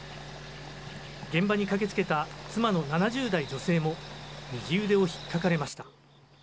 現場に駆けつけた妻の７０代女性も、右腕をひっかかれました。